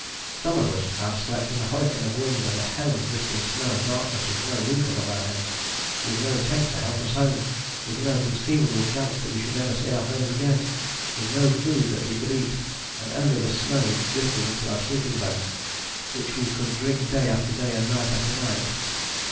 Some of us have slept in a hurricane of wind and a hell of drifting snow and darkness, with no roof above our heads, with no tent to help us home, with no conceivable chance that we should ever see our friends again, with no food that we could eat, and only the snow which drifted into our sleeping bags which we could drink day after day and night after night.